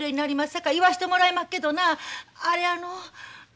さかい言わしてもらいまっけどなあれあの。